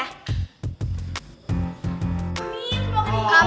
amin selamat pagi